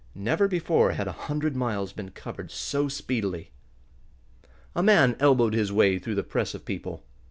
Never before had a hundred miles been covered so speedily. A man elbowed his way through the press of people.